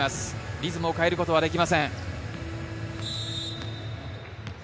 リズムを変えることはできません。